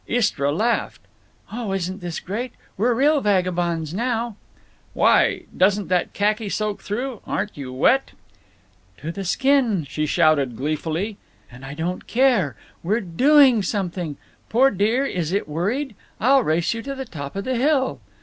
Istra laughed: "Oh, isn't this great! We're real vagabonds now." "Why! Doesn't that khaki soak through? Aren't you wet?" "To the skin!" she shouted, gleefully. "And I don't care! We're doing something. Poor dear, is it worried? I'll race you to the top of the hill."